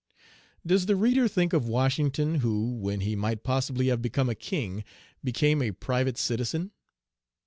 Does the reader think of Washington, who, when he might possibly have become a king, became a private citizen?